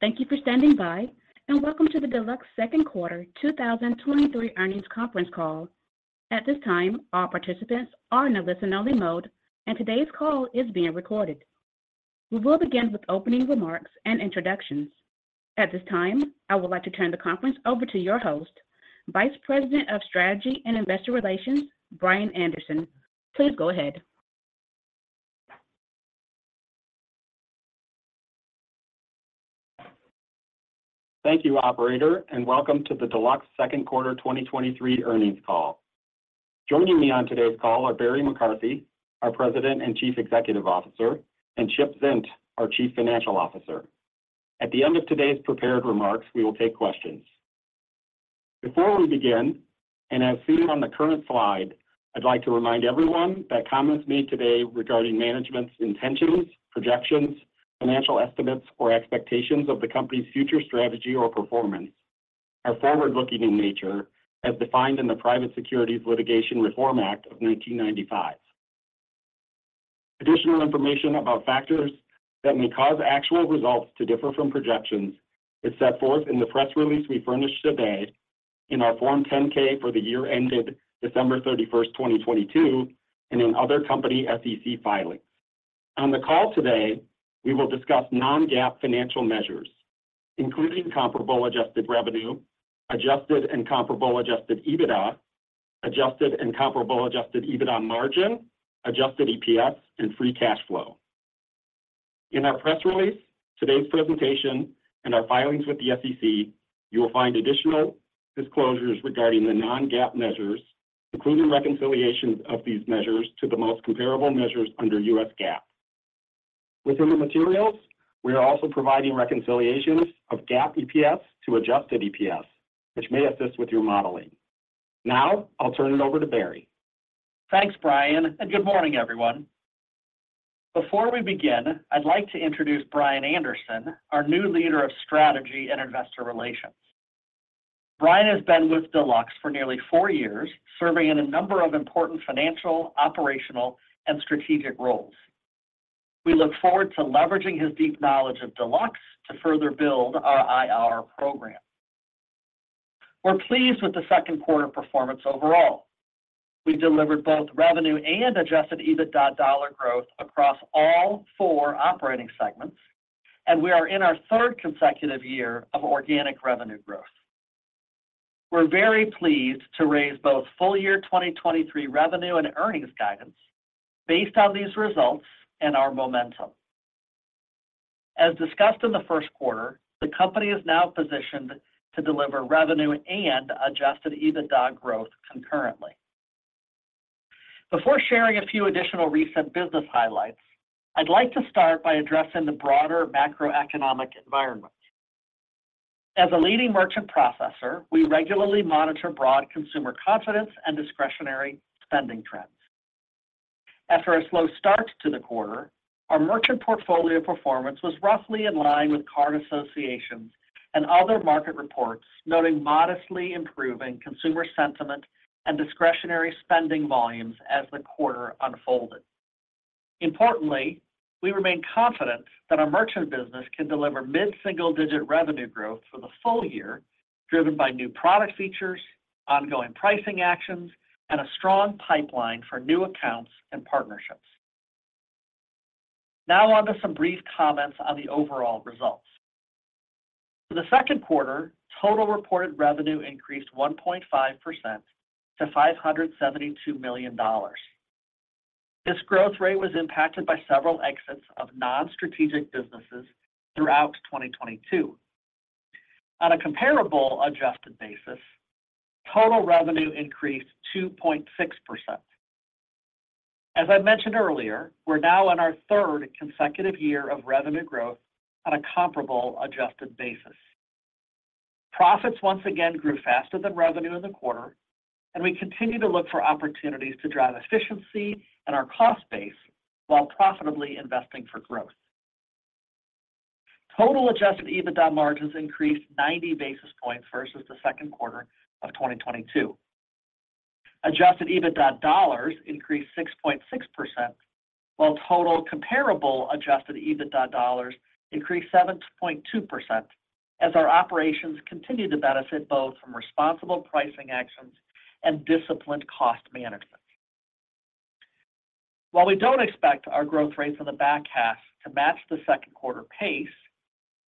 Thank you for standing by, and welcome to the Deluxe Second Quarter 2023 Earnings Conference Call. At this time, all participants are in a listen-only mode, and today's call is being recorded. We will begin with opening remarks and introductions. At this time, I would like to turn the conference over to your host, Vice President of Strategy and Investor Relations, Brian Anderson. Please go ahead. Thank you, operator, and welcome to the Deluxe Second Quarter 2023 earnings call. Joining me on today's call are Barry McCarthy, our President and Chief Executive Officer, and Chip Zint, our Chief Financial Officer. At the end of today's prepared remarks, we will take questions. Before we begin, and as seen on the current slide, I'd like to remind everyone that comments made today regarding management's intentions, projections, financial estimates, or expectations of the company's future strategy or performance are forward-looking in nature, as defined in the Private Securities Litigation Reform Act of 1995. Additional information about factors that may cause actual results to differ from projections is set forth in the press release we furnished today in our Form 10-K for the year ended December 31st, 2022, and in other company SEC filings. On the call today, we will discuss non-GAAP financial measures, including comparable adjusted revenue, adjusted and comparable adjusted EBITDA, adjusted and comparable adjusted EBITDA margin, adjusted EPS, and free cash flow. In our press release, today's presentation, and our filings with the SEC, you will find additional disclosures regarding the non-GAAP measures, including reconciliations of these measures to the most comparable measures under U.S. GAAP. Within the materials, we are also providing reconciliations of GAAP EPS to adjusted EPS, which may assist with your modeling. Now I'll turn it over to Barry. Thanks, Brian, and good morning, everyone. Before we begin, I'd like to introduce Brian Anderson, our new leader of Strategy and Investor Relations. Brian has been with Deluxe for nearly 4 years, serving in a number of important financial, operational, and strategic roles. We look forward to leveraging his deep knowledge of Deluxe to further build our IR program. We're pleased with the 2nd quarter performance overall. We delivered both revenue and adjusted EBITDA dollar growth across all 4 operating segments, and we are in our 3rd consecutive year of organic revenue growth. We're very pleased to raise both full-year 2023 revenue and earnings guidance based on these results and our momentum. As discussed in the 1st quarter, the company is now positioned to deliver revenue and adjusted EBITDA growth concurrently. Before sharing a few additional recent business highlights, I'd like to start by addressing the broader macroeconomic environment. As a leading merchant processor, we regularly monitor broad consumer confidence and discretionary spending trends. After a slow start to the quarter, our merchant portfolio performance was roughly in line with card associations and other market reports, noting modestly improving consumer sentiment and discretionary spending volumes as the quarter unfolded. Importantly, we remain confident that our merchant business can deliver mid-single-digit revenue growth for the full year, driven by new product features, ongoing pricing actions, and a strong pipeline for new accounts and partnerships. Now on to some brief comments on the overall results. For the second quarter, total reported revenue increased 1.5% to $572 million. This growth rate was impacted by several exits of non-strategic businesses throughout 2022. On a comparable adjusted basis, total revenue increased 2.6%. As I mentioned earlier, we're now in our 3rd consecutive year of revenue growth on a comparable adjusted basis. Profits once again grew faster than revenue in the quarter. We continue to look for opportunities to drive efficiency and our cost base while profitably investing for growth. Total adjusted EBITDA margins increased 90 basis points versus the Q2 of 2022. Adjusted EBITDA dollars increased 6.6%, while total comparable adjusted EBITDA dollars increased 7.2% as our operations continue to benefit both from responsible pricing actions and disciplined cost management. While we don't expect our growth rates in the back half to match the Q2 pace,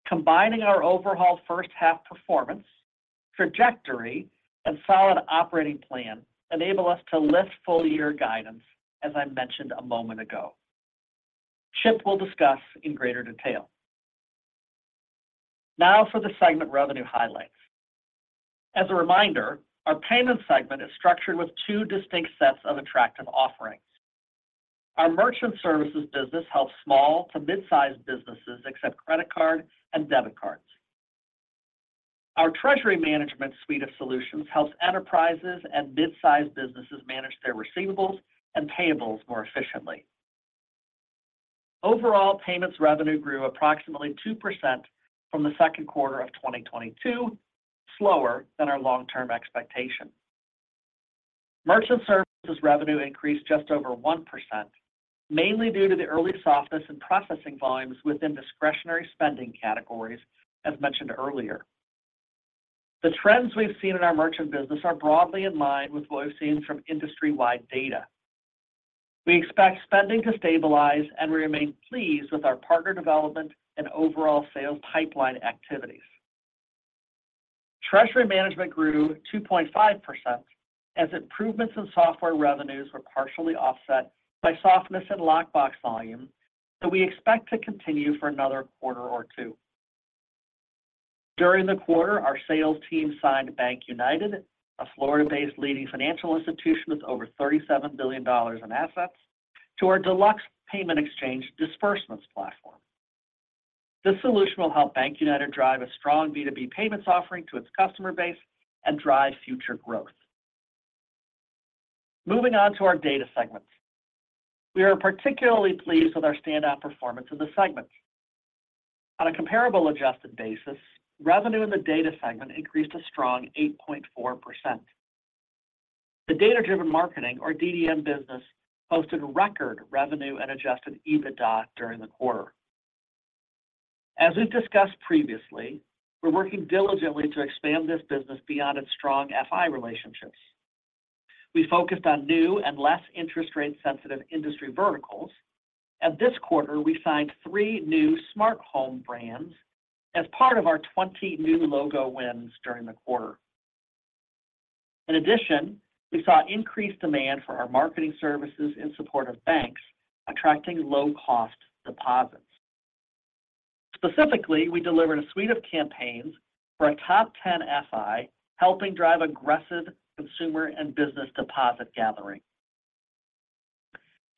combining our overall 1st half performance, trajectory, and solid operating plan enable us to lift full-year guidance, as I mentioned a moment ago. Chip will discuss in greater detail. Now for the segment revenue highlights. As a reminder, our payments segment is structured with two distinct sets of attractive offerings. Our merchant services business helps small to mid-sized businesses accept credit card and debit cards. Our treasury management suite of solutions helps enterprises and mid-sized businesses manage their receivables and payables more efficiently. Overall, payments revenue grew approximately 2% from the second quarter of 2022, slower than our long-term expectation. Merchant services revenue increased just over 1%, mainly due to the early softness in processing volumes within discretionary spending categories, as mentioned earlier. The trends we've seen in our merchant business are broadly in line with what we've seen from industry-wide data. We expect spending to stabilize, and we remain pleased with our partner development and overall sales pipeline activities. Treasury management grew 2.5% as improvements in software revenues were partially offset by softness in lockbox volume, that we expect to continue for another quarter or two. During the quarter, our sales team signed BankUnited, a Florida-based leading financial institution with over $37 billion in assets, to our Deluxe Payment Exchange disbursements platform. This solution will help BankUnited drive a strong B2B payments offering to its customer base and drive future growth. Moving on to our data segments. We are particularly pleased with our standout performance of the segments. On a comparable adjusted basis, revenue in the data segment increased a strong 8.4%. The Data Driven Marketing, or DDM business, posted record revenue and adjusted EBITDA during the quarter. As we've discussed previously, we're working diligently to expand this business beyond its strong FI relationships. We focused on new and less interest rate-sensitive industry verticals, and this quarter we signed three new smart home brands as part of our 20 new logo wins during the quarter. In addition, we saw increased demand for our marketing services in support of banks attracting low-cost deposits. Specifically, we delivered a suite of campaigns for a top 10 FI, helping drive aggressive consumer and business deposit gathering.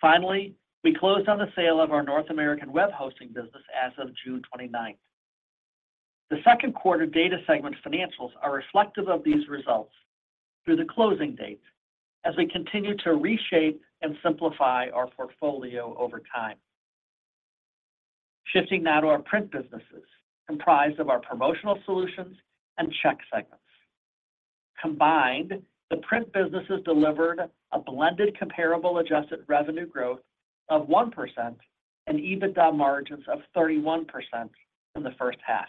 Finally, we closed on the sale of our North American web hosting business as of June 29th. The second quarter data segment financials are reflective of these results through the closing date as we continue to reshape and simplify our portfolio over time. Shifting now to our print businesses, comprised of our Promotional Solutions and check segments. Combined, the print businesses delivered a blended, comparable, adjusted revenue growth of 1% and EBITDA margins of 31% in the first half.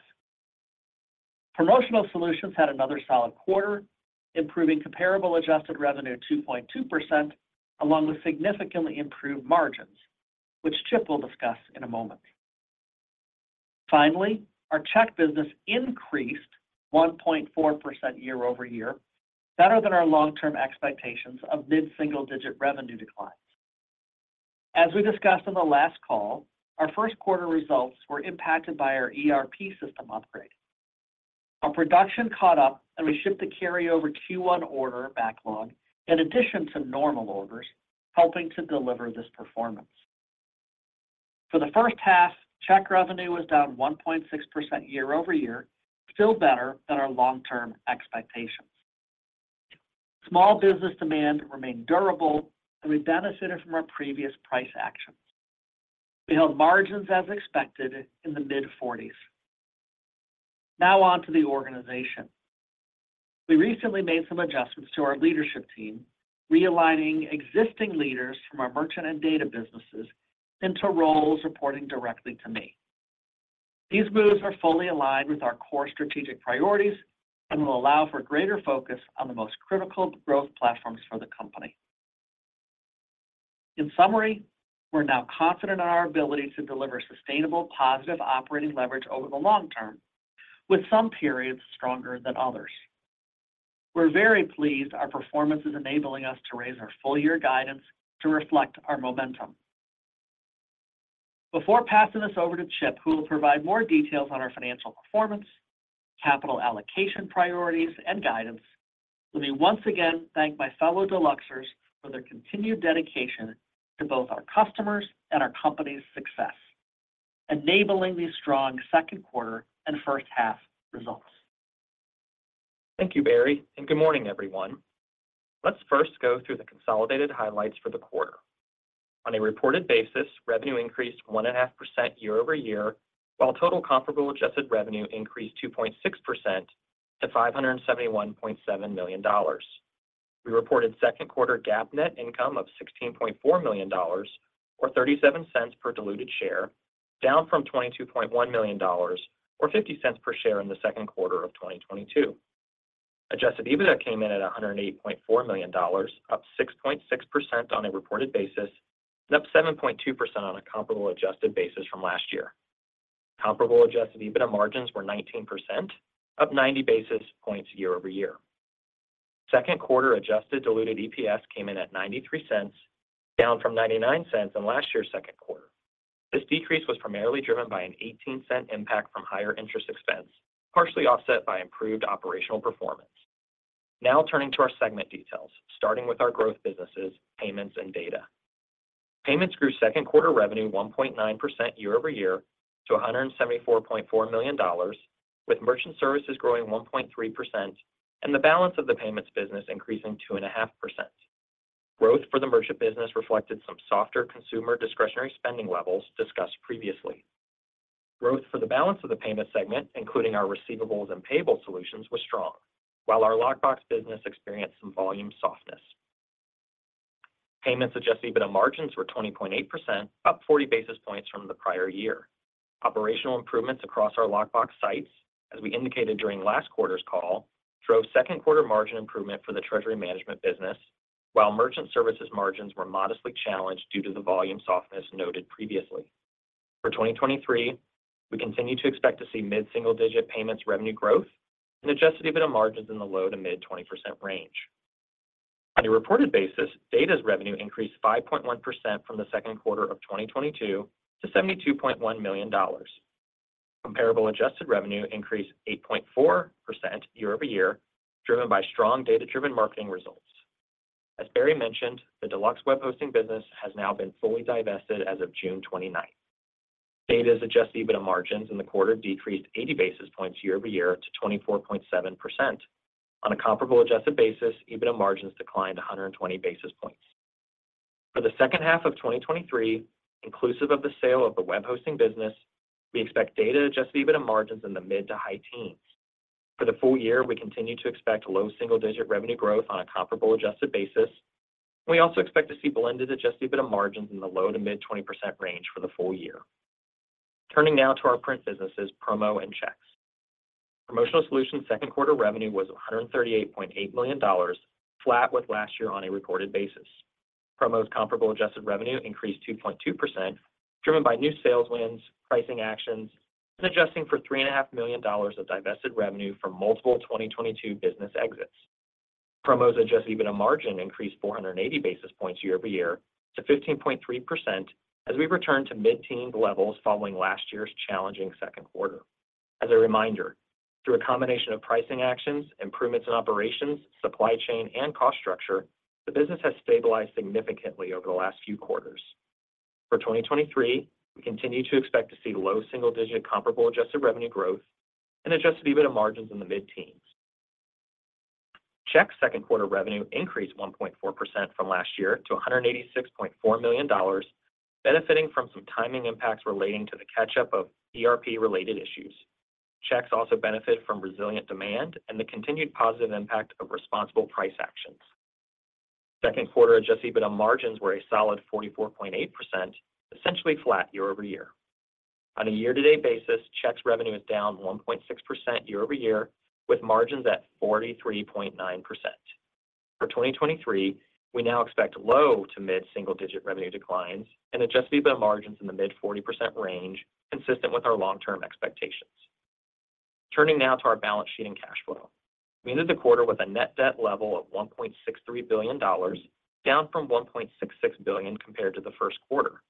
Promotional Solutions had another solid quarter, improving comparable adjusted revenue of 2.2%, along with significantly improved margins, which Chip will discuss in a moment. Our check business increased 1.4% year-over-year, better than our long-term expectations of mid-single-digit revenue declines. As we discussed on the last call, our first quarter results were impacted by our ERP system upgrade. Our production caught up and we shipped the carryover Q1 order backlog in addition to normal orders, helping to deliver this performance. For the first half, check revenue was down 1.6% year-over-year, still better than our long-term expectations. Small business demand remained durable, and we benefited from our previous price actions. We held margins as expected in the mid-forties. On to the organization. We recently made some adjustments to our leadership team, realigning existing leaders from our merchant and data businesses into roles reporting directly to me. These moves are fully aligned with our core strategic priorities and will allow for greater focus on the most critical growth platforms for the company. In summary, we're now confident in our ability to deliver sustainable, positive operating leverage over the long term, with some periods stronger than others. We're very pleased our performance is enabling us to raise our full year guidance to reflect our momentum. Before passing this over to Chip, who will provide more details on our financial performance, capital allocation priorities, and guidance, let me once again thank my fellow Deluxers for their continued dedication to both our customers and our company's success, enabling these strong second quarter and first half results. Thank you, Barry. Good morning, everyone. Let's first go through the consolidated highlights for the quarter. On a reported basis, revenue increased 1.5% year-over-year, while total comparable adjusted revenue increased 2.6% to $571.7 million. We reported second quarter GAAP net income of $16.4 million, or $0.37 per diluted share, down from $22.1 million or $0.50 per share in the second quarter of 2022. Adjusted EBITDA came in at $108.4 million, up 6.6% on a reported basis and up 7.2% on a comparable adjusted basis from last year. Comparable adjusted EBITDA margins were 19%, up 90 basis points year-over-year. Second quarter adjusted diluted EPS came in at $0.93, down from $0.99 in last year's second quarter. This decrease was primarily driven by an $0.18 impact from higher interest expense, partially offset by improved operational performance. Turning to our segment details, starting with our growth businesses, payments and data. Payments grew second quarter revenue 1.9% year-over-year to $174.4 million, with merchant services growing 1.3% and the balance of the payments business increasing 2.5%. Growth for the merchant business reflected some softer consumer discretionary spending levels discussed previously. Growth for the balance of the payment segment, including our receivables and payables solutions, was strong, while our lockbox business experienced some volume softness. Payments adjusted EBITDA margins were 20.8%, up 40 basis points from the prior year. Operational improvements across our lockbox sites, as we indicated during last quarter's call, drove second quarter margin improvement for the treasury management business, while merchant services margins were modestly challenged due to the volume softness noted previously. For 2023, we continue to expect to see mid-single-digit payments revenue growth and adjusted EBITDA margins in the low to mid 20% range. On a reported basis, DDM's revenue increased 5.1% from the second quarter of 2022 to $72.1 million. Comparable adjusted revenue increased 8.4% year-over-year, driven by strong Data Driven Marketing results. As Barry mentioned, the Deluxe web hosting business has now been fully divested as of June 29th. DDM's adjusted EBITDA margins in the quarter decreased 80 basis points year-over-year to 24.7%. On a comparable adjusted basis, EBITDA margins declined 120 basis points. For the second half of 2023, inclusive of the sale of the Web Hosting Business, we expect data adjusted EBITDA margins in the mid-to-high teens. For the full year, we continue to expect low single-digit revenue growth on a comparable adjusted basis. We also expect to see blended adjusted EBITDA margins in the low-to-mid 20% range for the full year. Turning now to our print businesses, Promo and Checks. Promotional Solutions' second quarter revenue was $138.8 million, flat with last year on a reported basis. Promo's comparable adjusted revenue increased 2.2%, driven by new sales wins, pricing actions, and adjusting for $3.5 million of divested revenue from multiple 2022 business exits. Promo's adjusted EBITDA margin increased 480 basis points year-over-year to 15.3% as we return to mid-teen levels following last year's challenging second quarter. As a reminder, through a combination of pricing actions, improvements in operations, supply chain, and cost structure, the business has stabilized significantly over the last few quarters. For 2023, we continue to expect to see low single-digit comparable adjusted revenue growth and adjusted EBITDA margins in the mid-teens. Checks second quarter revenue increased 1.4% from last year to $186.4 million, benefiting from some timing impacts relating to the catch-up of ERP-related issues. Checks also benefit from resilient demand and the continued positive impact of responsible price actions. Second quarter adjusted EBITDA margins were a solid 44.8%, essentially flat year-over-year. On a year-to-date basis, Checks revenue is down 1.6% year-over-year, with margins at 43.9%. For 2023, we now expect low to mid single-digit revenue declines and adjusted EBITDA margins in the mid 40% range, consistent with our long-term expectations. Turning now to our balance sheet and cash flow. We ended the quarter with a net debt level of $1.63 billion, down from $1.66 billion compared to the first quarter.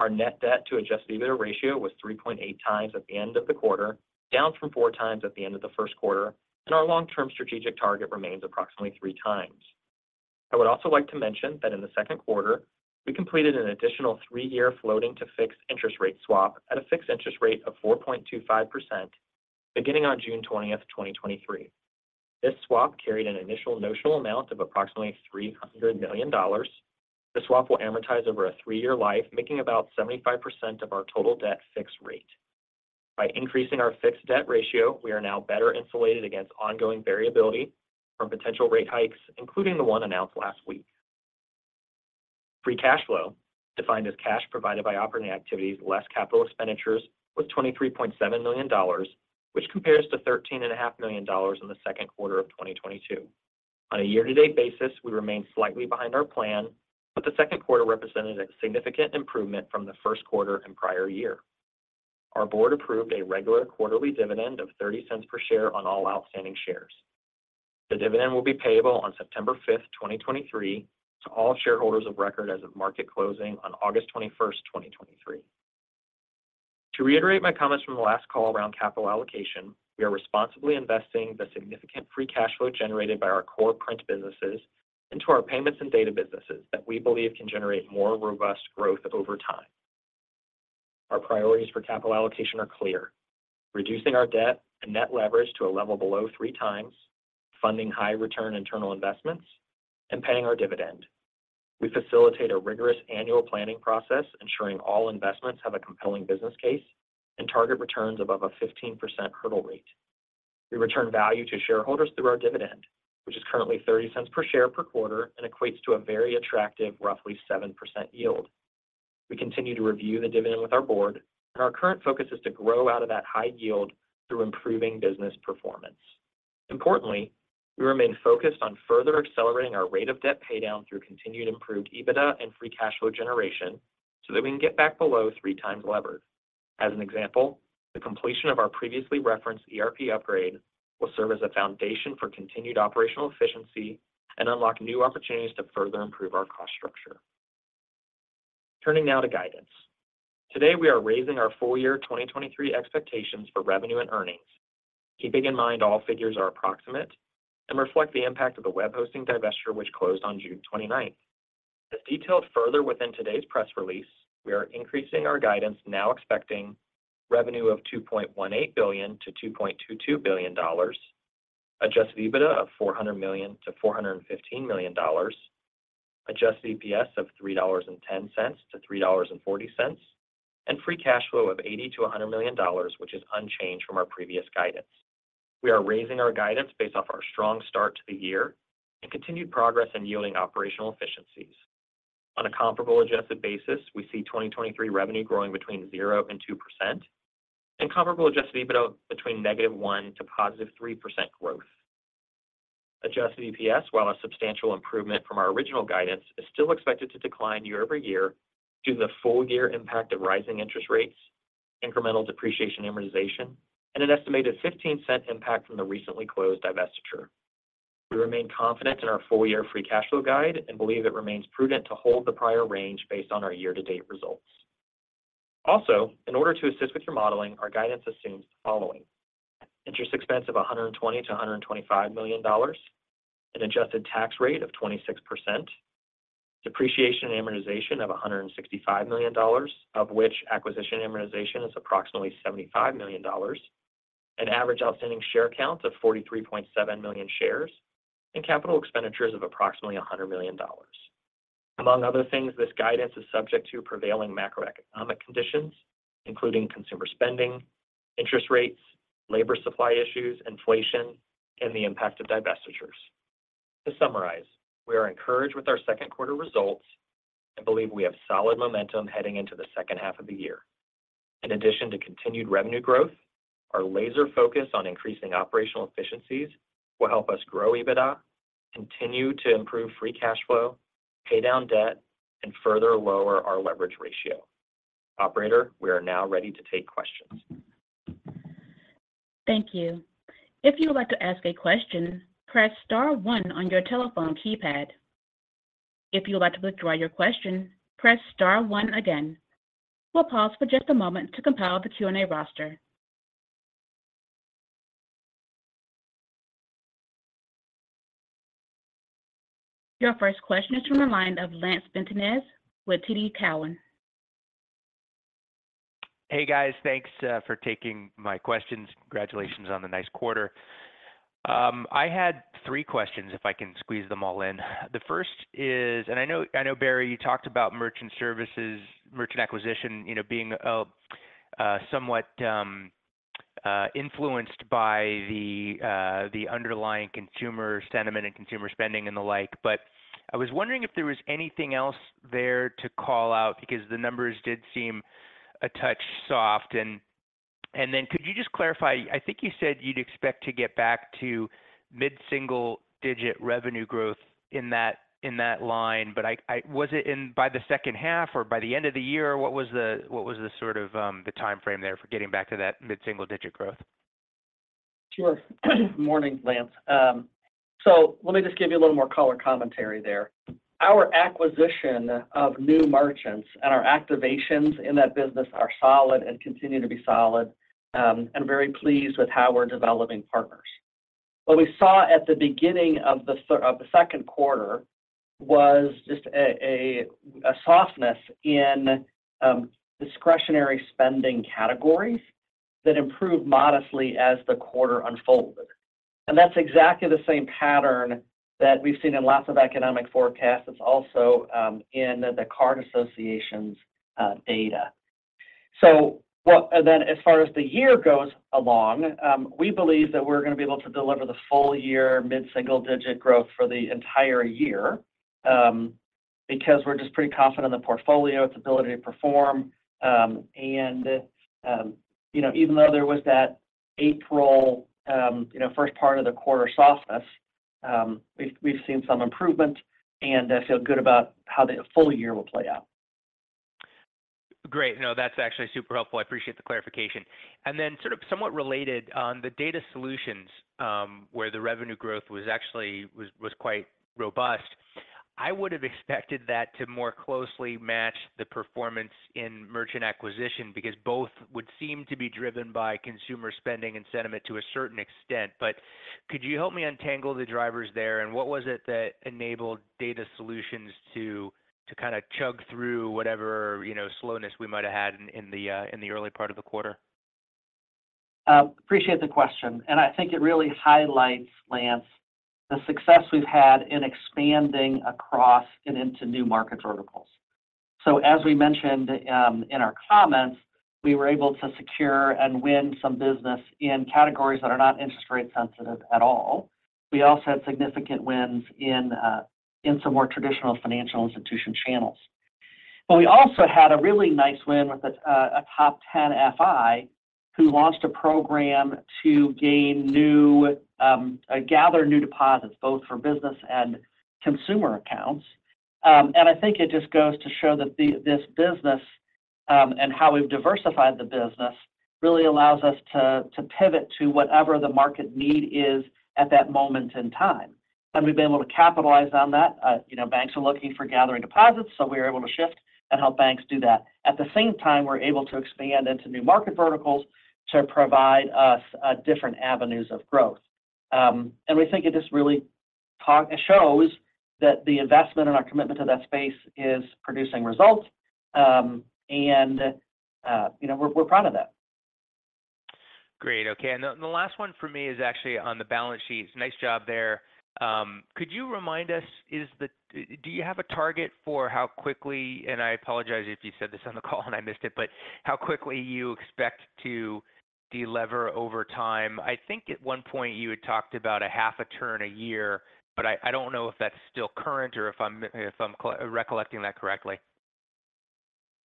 Our net debt to adjusted EBITDA ratio was 3.8x at the end of the quarter, down from 4x at the end of the first quarter, and our long-term strategic target remains approximately 3x. I would also like to mention that in the second quarter, we completed an additional 3-year floating to fixed interest rate swap at a fixed interest rate of 4.25%, beginning on June 20, 2023. This swap carried an initial notional amount of approximately $300 million. The swap will amortize over a 3-year life, making about 75% of our total debt fixed rate. By increasing our fixed debt ratio, we are now better insulated against ongoing variability from potential rate hikes, including the one announced last week. Free cash flow, defined as cash provided by operating activities, less capital expenditures, was $23.7 million, which compares to $13.5 million in the second quarter of 2022. On a year-to-date basis, we remain slightly behind our plan, but the second quarter represented a significant improvement from the first quarter and prior year. Our board approved a regular quarterly dividend of $0.30 per share on all outstanding shares. The dividend will be payable on September 5, 2023, to all shareholders of record as of market closing on August 21, 2023. To reiterate my comments from the last call around capital allocation, we are responsibly investing the significant free cash flow generated by our core print businesses into our payments and data businesses that we believe can generate more robust growth over time. Our priorities for capital allocation are clear: reducing our debt and net leverage to a level below 3x, funding high return internal investments, and paying our dividend. We facilitate a rigorous annual planning process, ensuring all investments have a compelling business case and target returns above a 15% hurdle rate. We return value to shareholders through our dividend, which is currently $0.30 per share per quarter and equates to a very attractive, roughly 7% yield. Our current focus is to grow out of that high yield through improving business performance. Importantly, we remain focused on further accelerating our rate of debt paydown through continued improved EBITDA and free cash flow generation, that we can get back below 3x levered. As an example, the completion of our previously referenced ERP upgrade will serve as a foundation for continued operational efficiency and unlock new opportunities to further improve our cost structure. Turning now to guidance. Today, we are raising our full year 2023 expectations for revenue and earnings. Keeping in mind all figures are approximate and reflect the impact of the Web Hosting divestiture, which closed on June 29th. As detailed further within today's press release, we are increasing our guidance, now expecting revenue of $2.18 billion-$2.22 billion, adjusted EBITDA of $400 million-$415 million. adjusted EPS of $3.10 to $3.40, and free cash flow of $80 million to $100 million, which is unchanged from our previous guidance. We are raising our guidance based off our strong start to the year and continued progress in yielding operational efficiencies. On a comparable adjusted basis, we see 2023 revenue growing between 0% and 2% and comparable adjusted EBITDA between -1% to +3% growth. Adjusted EPS, while a substantial improvement from our original guidance, is still expected to decline year-over-year due to the full-year impact of rising interest rates, incremental depreciation amortization, and an estimated $0.15 impact from the recently closed divestiture. We remain confident in our full-year free cash flow guide and believe it remains prudent to hold the prior range based on our year-to-date results. In order to assist with your modeling, our guidance assumes the following: interest expense of $120 million-$125 million, an adjusted tax rate of 26%, depreciation and amortization of $165 million, of which acquisition amortization is approximately $75 million, an average outstanding share count of 43.7 million shares, and capital expenditures of approximately $100 million. Among other things, this guidance is subject to prevailing macroeconomic conditions, including consumer spending, interest rates, labor supply issues, inflation, and the impact of divestitures. To summarize, we are encouraged with our second quarter results and believe we have solid momentum heading into the second half of the year. In addition to continued revenue growth, our laser focus on increasing operational efficiencies will help us grow EBITDA, continue to improve free cash flow, pay down debt, and further lower our leverage ratio. Operator, we are now ready to take questions. Thank you. If you would like to ask a question, press star one on your telephone keypad. If you would like to withdraw your question, press star one again. We'll pause for just a moment to compile the Q&A roster. Your first question is from the line of Lance Vitanza with TD Cowen. Hey, guys. Thanks for taking my questions. Congratulations on the nice quarter. I had three questions, if I can squeeze them all in. The first, I know, I know, Barry, you talked about merchant services, merchant acquisition, you know, being somewhat influenced by the underlying consumer sentiment and consumer spending and the like, but I was wondering if there was anything else there to call out, because the numbers did seem a touch soft. Then could you just clarify, I think you said you'd expect to get back to mid-single-digit revenue growth in that, in that line, but was it in by the second half or by the end of the year? What was the, what was the sort of the time frame there for getting back to that mid-single-digit growth? Sure. Morning, Lance. Let me just give you a little more color commentary there. Our acquisition of new merchants and our activations in that business are solid and continue to be solid, and very pleased with how we're developing partners. What we saw at the beginning of the second quarter was just a, a, a softness in discretionary spending categories that improved modestly as the quarter unfolded. That's exactly the same pattern that we've seen in lots of economic forecasts. It's also in the card associations' data. Then as far as the year goes along, we believe that we're going to be able to deliver the full year mid-single-digit growth for the entire year, because we're just pretty confident in the portfolio, its ability to perform. You know, even though there was that April, you know, first part of the quarter softness, we've, we've seen some improvement and feel good about how the full year will play out. Great. No, that's actually super helpful. I appreciate the clarification. Then sort of somewhat related, on the data solutions, where the revenue growth was actually, was quite robust, I would have expected that to more closely match the performance in merchant acquisition, because both would seem to be driven by consumer spending and sentiment to a certain extent. Could you help me untangle the drivers there? What was it that enabled data solutions to kind of chug through whatever, you know, slowness we might have had in, in the early part of the quarter? Appreciate the question, and I think it really highlights, Lance, the success we've had in expanding across and into new market verticals. As we mentioned, in our comments, we were able to secure and win some business in categories that are not interest rate sensitive at all. We also had significant wins in some more traditional financial institution channels. We also had a really nice win with a top 10 FI, who launched a program to gain new, gather new deposits, both for business and consumer accounts. And I think it just goes to show that this business, and how we've diversified the business, really allows us to pivot to whatever the market need is at that moment in time. We've been able to capitalize on that. You know, banks are looking for gathering deposits, so we are able to shift and help banks do that. At the same time, we're able to expand into new market verticals to provide us different avenues of growth. We think it just really shows that the investment and our commitment to that space is producing results. You know, we're, we're proud of that. Great. Okay, the, and the last one for me is actually on the balance sheet. Nice job there. Could you remind us, is the do you have a target for how quickly, and I apologize if you said this on the call and I missed it, but how quickly you expect to delever over time? I think at one point you had talked about a half a turn a year, but I, I don't know if that's still current or if I'm, if I'm recollecting that correctly?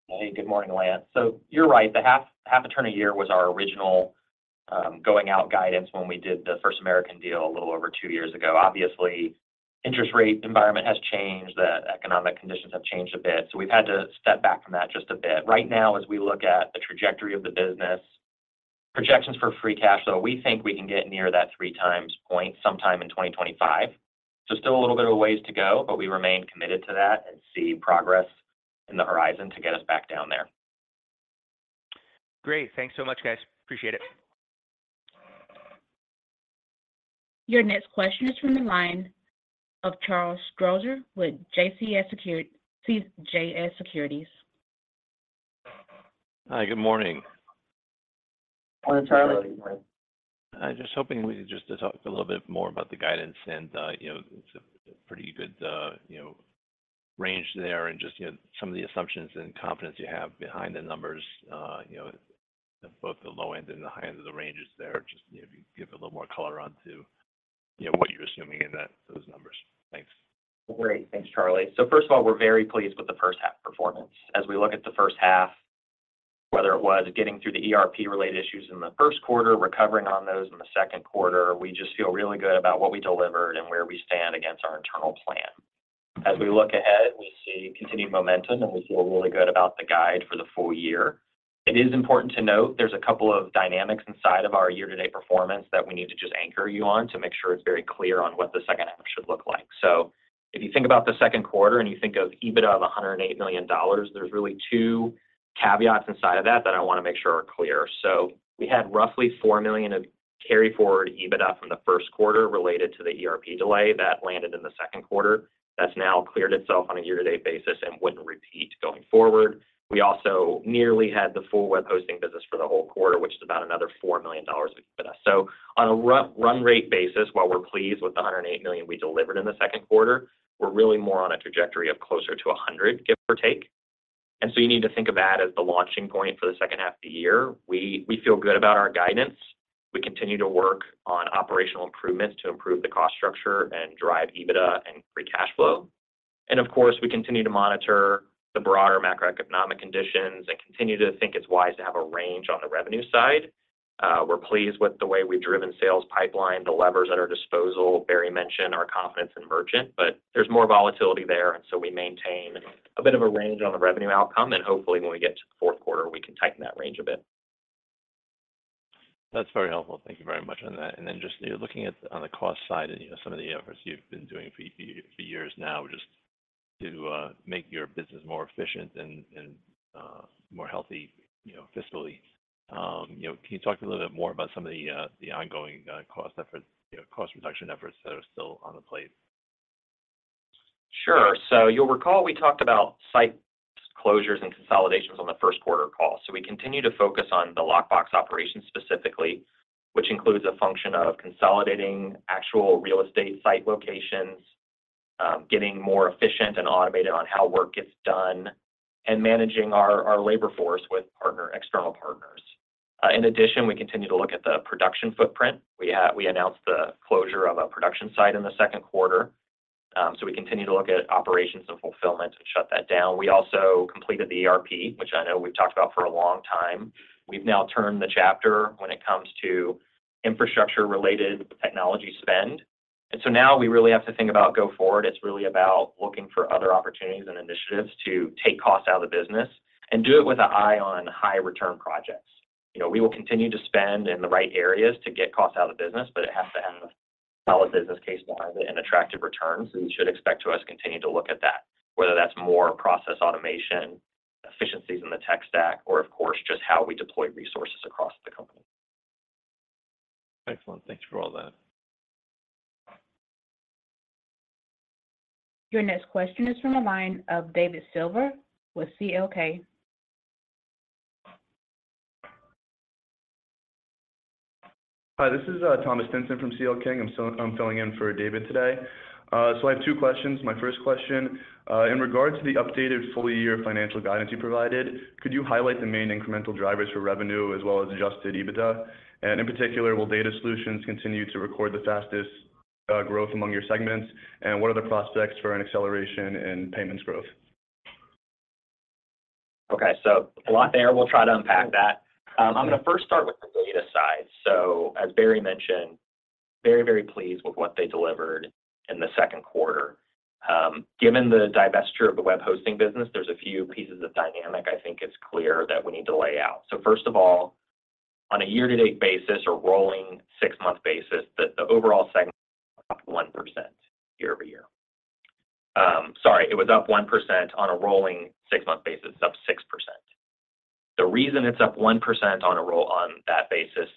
Hey, good morning, Lance. You're right, the 0.5, 0.5 turn a year was our original going out guidance when we did the First American deal a little over 2 years ago. Obviously, interest rate environment has changed, the economic conditions have changed a bit, so we've had to step back from that just a bit. Right now, as we look at the trajectory of the business, projections for free cash flow, we think we can get near that 3 times point sometime in 2025. Still a little bit of a ways to go, but we remain committed to that and see progress in the horizon to get us back down there. Great. Thanks so much, guys. Appreciate it. Your next question is from the line of Charles Strauzer with CJS Securities. Hi, good morning. Morning, Charlie. I was just hoping we could just to talk a little bit more about the guidance and, you know, it's a pretty good, you know, range there and just, you know, some of the assumptions and confidence you have behind the numbers, you know, both the low end and the high end of the ranges there. Just, you know, if you give a little more color onto, you know, what you're assuming in those numbers. Thanks. Great. Thanks, Charlie. First of all, we're very pleased with the first half performance. As we look at the first half, whether it was getting through the ERP-related issues in the first quarter, recovering on those in the second quarter, we just feel really good about what we delivered and where we stand against our internal plan. As we look ahead, we see continued momentum, and we feel really good about the guide for the full year. It is important to note there's a couple of dynamics inside of our year-to-date performance that we need to just anchor you on to make sure it's very clear on what the second half should look like. If you think about the second quarter and you think of EBITDA of $108 million, there's really two caveats inside of that that I want to make sure are clear. We had roughly $4 million of carry forward EBITDA from the first quarter related to the ERP delay that landed in the second quarter. That's now cleared itself on a year-to-date basis and wouldn't repeat going forward. We also nearly had the full web hosting business for the whole quarter, which is about another $4 million of EBITDA. On a run, run rate basis, while we're pleased with the $108 million we delivered in the second quarter, we're really more on a trajectory of closer to 100, give or take. You need to think of that as the launching point for the second half of the year. We feel good about our guidance. We continue to work on operational improvements to improve the cost structure and drive EBITDA and free cash flow. Of course, we continue to monitor the broader macroeconomic conditions and continue to think it's wise to have a range on the revenue side. We're pleased with the way we've driven sales pipeline, the levers at our disposal. Barry mentioned our confidence in merchant, but there's more volatility there, and so we maintain a bit of a range on the revenue outcome. Hopefully, when we get to the fourth quarter, we can tighten that range a bit. That's very helpful. Thank you very much on that. Then just you're looking at on the cost side and, you know, some of the efforts you've been doing for years now just to make your business more efficient and, and more healthy, you know, fiscally. You know, can you talk a little bit more about some of the ongoing cost efforts, you know, cost reduction efforts that are still on the plate? Sure. You'll recall we talked about site closures and consolidations on the first quarter call. We continue to focus on the lock box operations specifically, which includes a function of consolidating actual real estate site locations, getting more efficient and automated on how work gets done, and managing our, our labor force with partner, external partners. In addition, we continue to look at the production footprint. We announced the closure of a production site in the second quarter, we continue to look at operations and fulfillment to shut that down. We also completed the ERP, which I know we've talked about for a long time. We've now turned the chapter when it comes to infrastructure-related technology spend. Now we really have to think about go forward. It's really about looking for other opportunities and initiatives to take costs out of the business and do it with an eye on high return projects. You know, we will continue to spend in the right areas to get costs out of the business, but it has to have a solid business case behind it and attractive returns. You should expect to us continue to look at that, whether that's more process automation, efficiencies in the tech stack, or of course, just how we deploy resources across the company. Excellent. Thanks for all that. Your next question is from the line of David Silver with CLK. Hi, this is Tom Stinson from CLK. I'm filling in for David today. I have two questions. My first question, in regards to the updated full year financial guidance you provided, could you highlight the main incremental drivers for revenue as well as adjusted EBITDA? In particular, will data solutions continue to record the fastest growth among your segments? What are the prospects for an acceleration in payments growth? Okay, a lot there. We'll try to unpack that. I'm going to first start with the data side. As Barry mentioned, very, very pleased with what they delivered in the second quarter. Given the divestiture of the web hosting business, there's a few pieces of dynamic I think it's clear that we need to lay out. First of all, on a year-to-date basis or rolling six-month basis, the overall segment, 1% year-over-year. Sorry, it was up 1% on a rolling six-month basis, up 6%. The reason it's up 1% on a roll on that basis,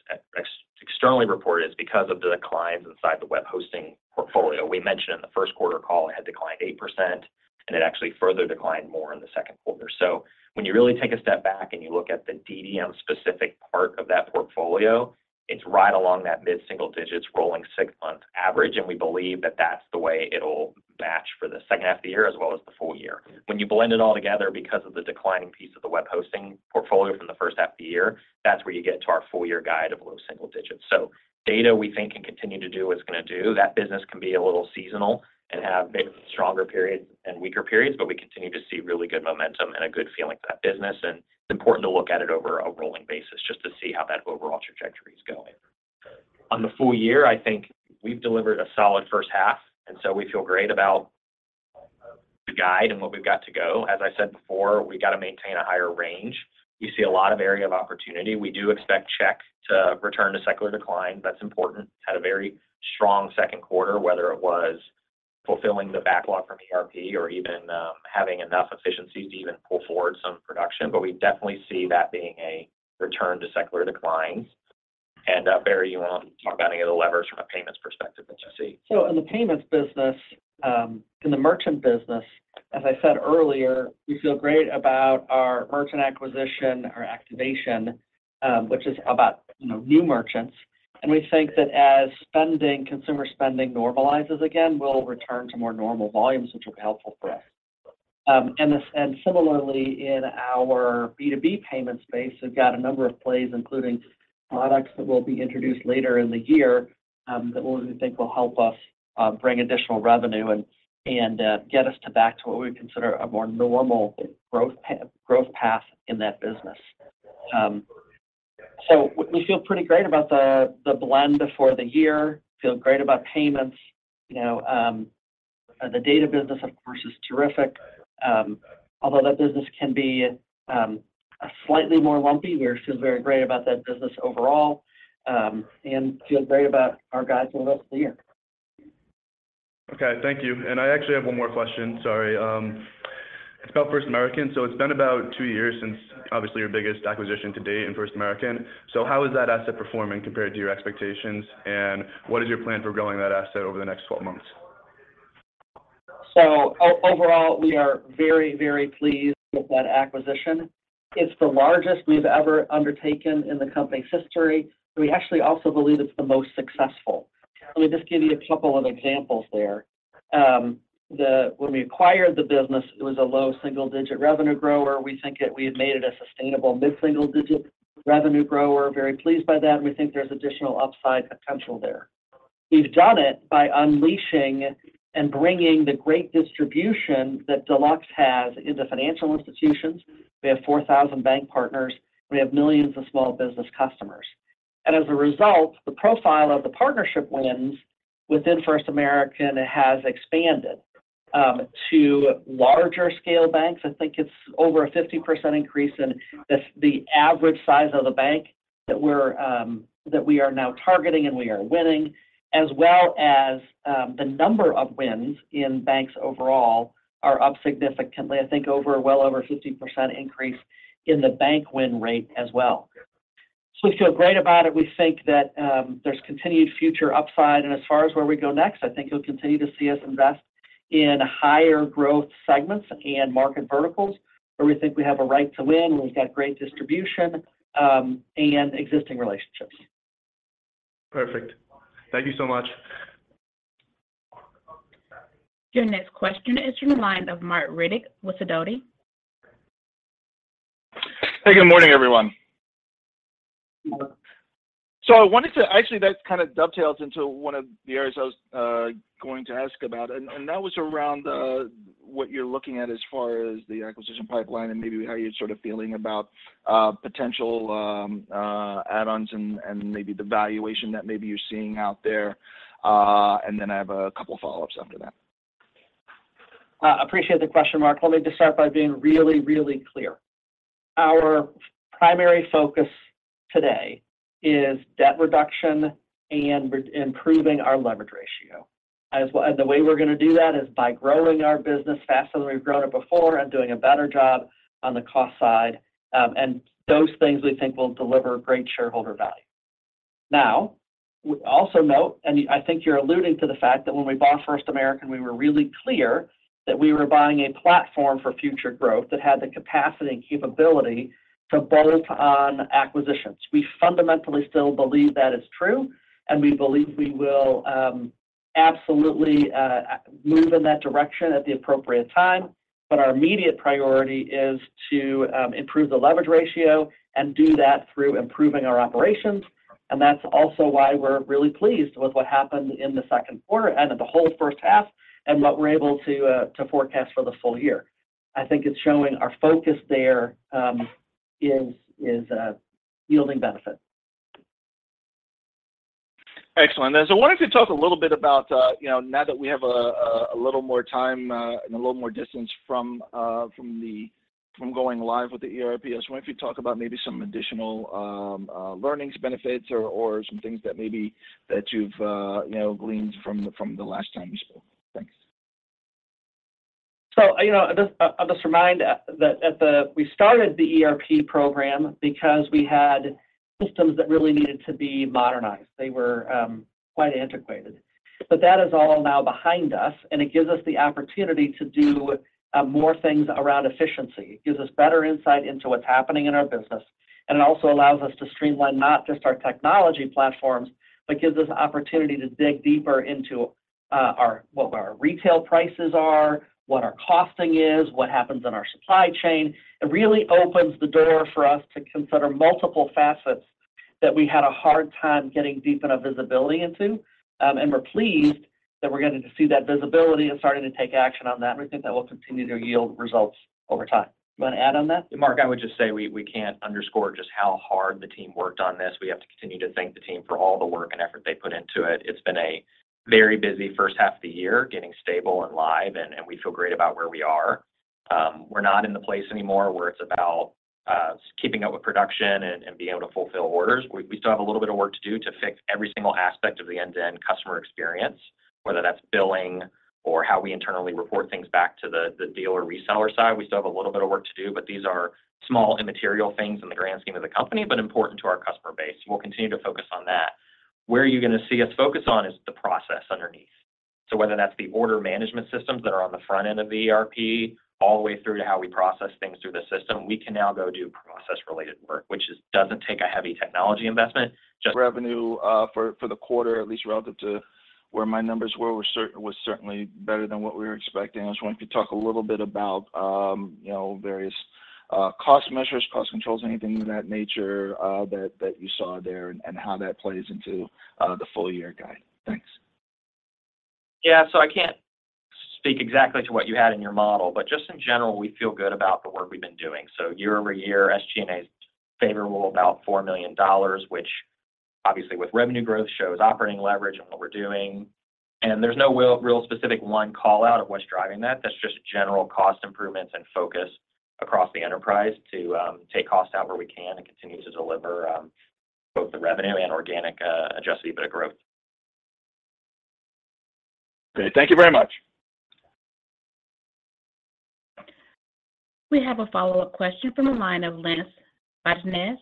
externally reported is because of the declines inside the web hosting portfolio. We mentioned in the first quarter call, it had declined 8%, and it actually further declined more in the second quarter. When you really take a step back and you look at the DDM-specific part of that portfolio, it's right along that mid-single digits, rolling 6-month average, and we believe that that's the way it'll match for the second half of the year as well as the full year. When you blend it all together because of the declining piece of the web hosting portfolio from the first half of the year, that's where you get to our full-year guide of low single digits. Data, we think, can continue to do what it's going to do. That business can be a little seasonal and have stronger periods and weaker periods, but we continue to see really good momentum and a good feeling for that business, and it's important to look at it over a rolling basis just to see how that overall trajectory is going. On the full year, I think we've delivered a solid first half, and so we feel great about the guide and what we've got to go. As I said before, we got to maintain a higher range. We see a lot of area of opportunity. We do expect check to return to secular decline. That's important. Had a very strong second quarter, whether it was fulfilling the backlog from ERP or even, having enough efficiencies to even pull forward some production. We definitely see that being a return to secular declines. Barry, you want to talk about any of the levers from a payments perspective that you see? In the payments business, in the merchant business, as I said earlier, we feel great about our merchant acquisition or activation, which is about, you know, new merchants. We think that as spending, consumer spending normalizes again, we'll return to more normal volumes, which will be helpful for us. Similarly, in our B2B payment space, we've got a number of plays, including products that will be introduced later in the year, that we think will help us bring additional revenue and, and, get us to back to what we consider a more normal growth path in that business. We feel pretty great about the, the blend for the year, feel great about payments. You know, the data business, of course, is terrific. Although that business can be slightly more lumpy, we feel very great about that business overall, and feel great about our guides for the rest of the year. Okay, thank you. I actually have one more question. Sorry. It's about First American. It's been about 2 years since obviously, your biggest acquisition to date in First American. How is that asset performing compared to your expectations, and what is your plan for growing that asset over the next 12 months? Overall, we are very, very pleased with that acquisition. It's the largest we've ever undertaken in the company's history. We actually also believe it's the most successful. Let me just give you a couple of examples there. The when we acquired the business, it was a low single-digit revenue grower. We think that we have made it a sustainable mid-single digit revenue grower. Very pleased by that. We think there's additional upside potential there. We've done it by unleashing and bringing the great distribution that Deluxe has in the financial institutions. We have 4,000 bank partners, we have millions of small business customers. As a result, the profile of the partnership wins within First American has expanded to larger scale banks. I think it's over a 50% increase in the average size of the bank that we're, that we are now targeting and we are winning, as well as, the number of wins in banks overall are up significantly. I think well over a 50% increase in the bank win rate as well. We feel great about it. We think that, there's continued future upside, and as far as where we go next, I think you'll continue to see us invest in higher growth segments and market verticals where we think we have a right to win, and we've got great distribution, and existing relationships. Perfect. Thank you so much. Your next question is from the line of Marc Riddick with Sidoti. Hey, good morning, everyone. I wanted actually, that kind of dovetails into one of the areas I was going to ask about, and that was around what you're looking at as far as the acquisition pipeline and maybe how you're sort of feeling about potential add-ons and maybe the valuation that maybe you're seeing out there. I have a couple of follow-ups after that. Appreciate the question, Mark. Let me just start by being really, really clear. Our primary focus today is debt reduction and improving our leverage ratio. The way we're going to do that is by growing our business faster than we've grown it before and doing a better job on the cost side. Those things we think will deliver great shareholder value. Now, we also note, and I think you're alluding to the fact that when we bought First American, we were really clear that we were buying a platform for future growth that had the capacity and capability to bolt on acquisitions. We fundamentally still believe that is true, and we believe we will absolutely move in that direction at the appropriate time. Our immediate priority is to improve the leverage ratio and do that through improving our operations. That's also why we're really pleased with what happened in the second quarter and the whole first half, and what we're able to to forecast for the full year. I think it's showing our focus there, is, is, yielding benefit. Excellent. I wanted to talk a little bit about, you know, now that we have a, a little more time, and a little more distance from, from going live with the ERP. I was wondering if you talk about maybe some additional, learnings, benefits, or, or some things that maybe that you've, you know, gleaned from the, from the last time you spoke. Thanks. you know, just, I'll just remind, that at the, we started the ERP program because we had systems that really needed to be modernized. They were quite antiquated. That is all now behind us, and it gives us the opportunity to do more things around efficiency. It gives us better insight into what's happening in our business, and it also allows us to streamline not just our technology platforms, but gives us an opportunity to dig deeper into our, what our retail prices are, what our costing is, what happens in our supply chain. It really opens the door for us to consider multiple facets that we had a hard time getting deep enough visibility into. We're pleased that we're getting to see that visibility and starting to take action on that, and we think that will continue to yield results over time. You want to add on that? Mark, I would just say we, we can't underscore just how hard the team worked on this. We have to continue to thank the team for all the work and effort they put into it. It's been a very busy first half of the year, getting stable and live, and, and we feel great about where we are. We're not in the place anymore where it's about, keeping up with production and, and being able to fulfill orders. We, we still have a little bit of work to do to fix every single aspect of the end-to-end customer experience, whether that's billing or how we internally report things back to the, the dealer reseller side. We still have a little bit of work to do. These are small, immaterial things in the grand scheme of the company, but important to our customer base. We'll continue to focus on that. Where are you gonna see us focus on is the process underneath. Whether that's the order management systems that are on the front end of the ERP, all the way through to how we process things through the system, we can now go do process-related work, doesn't take a heavy technology investment. Revenue, for, for the quarter, at least relative to where my numbers were, was certainly better than what we were expecting. I just want to talk a little bit about, you know, various, cost measures, cost controls, anything of that nature, that, that you saw there and, and how that plays into, the full year guide. Thanks. Yeah, so I can't speak exactly to what you had in your model, but just in general, we feel good about the work we've been doing. Year over year, SG&A is favorable, about $4 million, which obviously with revenue growth, shows operating leverage on what we're doing. There's no real, real specific one call out of what's driving that. That's just general cost improvements and focus across the enterprise to take costs out where we can and continue to deliver both the revenue and organic adjusted EBITDA growth. Great. Thank you very much. We have a follow-up question from the line of Lance Vitanza.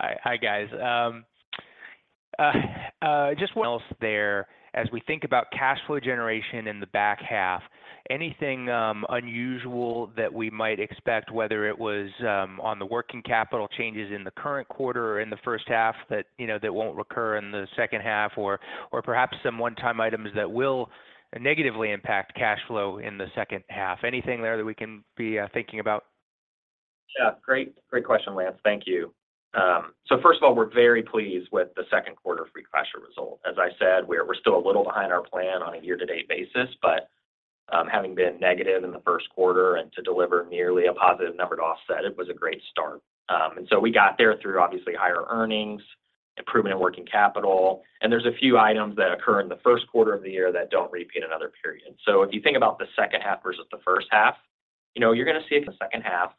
Hi, guys, just what else there? As we think about cash flow generation in the back half, anything unusual that we might expect, whether it was on the working capital changes in the current quarter or in the first half, that, you know, that won't recur in the second half, or, or perhaps some one-time items that will negatively impact cash flow in the second half? Anything there that we can be thinking about? Yeah, great, great question, Lance. Thank you. So first of all, we're very pleased with the second quarter free cash flow result. As I said, we're, we're still a little behind our plan on a year-to-date basis, but, having been negative in the first quarter and to deliver nearly a positive number to offset it was a great start. And so we got there through obviously higher earnings, improvement in working capital, and there's a few items that occur in the first quarter of the year that don't repeat another period. If you think about the second half versus the first half, you know, you're gonna see it in the second half.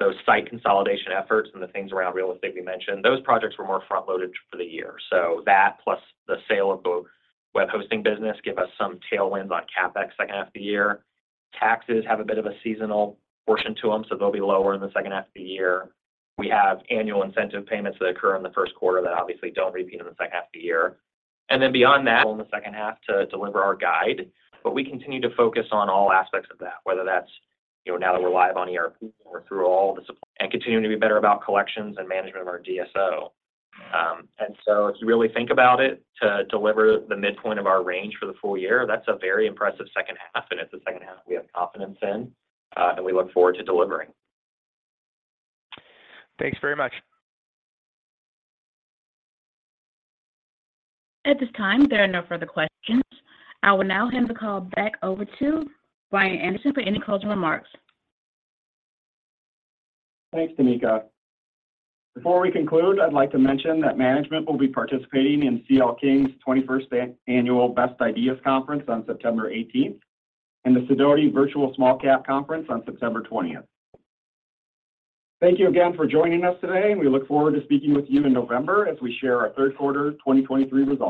Those site consolidation efforts and the things around real estate we mentioned, those projects were more front-loaded for the year. That, plus the sale of the web hosting business, give us some tailwinds on CapEx second half of the year. Taxes have a bit of a seasonal portion to them, so they'll be lower in the second half of the year. We have annual incentive payments that occur in the first quarter that obviously don't repeat in the second half of the year. Then beyond that, in the second half to deliver our guide. We continue to focus on all aspects of that, whether that's, you know, now that we're live on ERP or through all the supply, and continuing to be better about collections and management of our DSO. So if you really think about it, to deliver the midpoint of our range for the full year, that's a very impressive second half, and it's a second half we have confidence in, and we look forward to delivering. Thanks very much. At this time, there are no further questions. I will now hand the call back over to Brian Anderson for any closing remarks. Thanks, Tamika. Before we conclude, I'd like to mention that management will be participating in CL King's 21st Annual Best Ideas Conference on September 18th, and the Sidoti Virtual Small Cap Conference on September 20th. Thank you again for joining us today, and we look forward to speaking with you in November as we share our third quarter 2023 results.